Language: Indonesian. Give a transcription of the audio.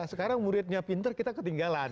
sekarang muridnya pinter kita ketinggalan